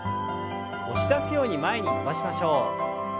押し出すように前に伸ばしましょう。